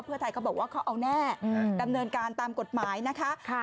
เพื่อไทยเขาบอกว่าเขาเอาแน่ดำเนินการตามกฎหมายนะคะ